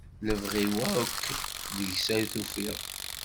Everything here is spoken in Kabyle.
Lebɣi-w akk deg-s ay tufiɣ.